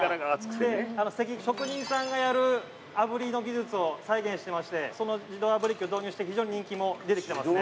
職人さんがやるあぶりの技術を再現してましてその自動あぶり機を導入して非常に人気も出てきてますね。